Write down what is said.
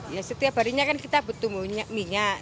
ya setiap harinya kan kita butuh minyak